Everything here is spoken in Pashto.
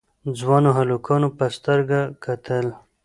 ځوانو هلکانو په سترګه کتل.